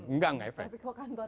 enggak gak efek